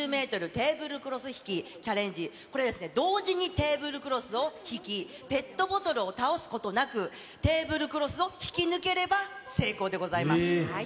テーブルクロス引きチャレンジ、これ、同時にテーブルクロスを引き、ペットボトルを倒すことなくテーブルクロスを引き抜ければ成功でございます。